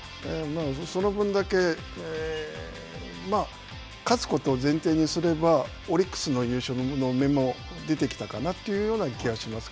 その分だけ勝つことを前提にすればオリックス優勝の目も出てきたかなというような気がし